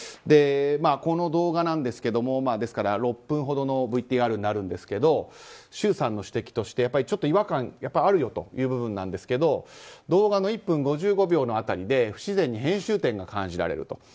この動画なんですが、６分ほどのＶＴＲになるんですけど周さんの指摘として違和感があるという部分ですが動画の１分５５秒の辺りで不自然に編集点が感じられると。